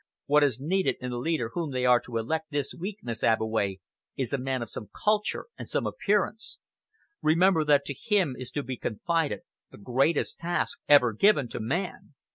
What is needed in the leader whom they are to elect this week, Miss Abbeway, is a man of some culture and some appearance. Remember that to him is to be confided the greatest task ever given to man.